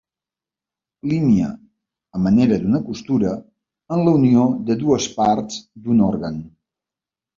Línia, a manera d'una costura, en la unió de dues parts d'un òrgan.